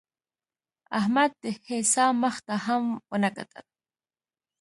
احمد د هېڅا مخ ته هم ونه کتل.